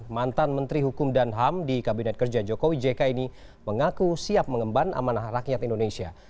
mantan menteri hukum dan ham di kabinet kerja jokowi jk ini mengaku siap mengemban amanah rakyat indonesia